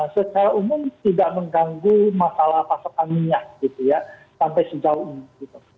secara umum tidak mengganggu masalah pasokan minyak gitu ya sampai sejauh ini gitu